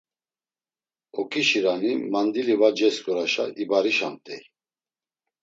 Oǩişirani, mandili va cesǩuraşa ibarişamt̆ey.